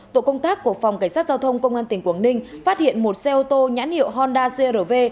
tổ công tác của phòng cảnh sát giao thông công an tỉnh quảng ninh phát hiện một xe ô tô nhãn hiệu honda crv